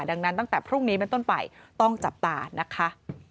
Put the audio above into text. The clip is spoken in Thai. ดังนั้นตั้งแต่พรุ่งนี้เป็นต้นไปต้องจับตานะคะ